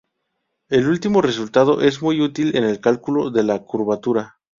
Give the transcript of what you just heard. El último resultado es muy útil en el cálculo de la curvatura.